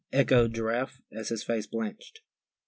echoed Giraffe as his face blanched.